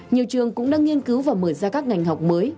nhiều trường cũng đang nghiên cứu và mở ra các ngành học mới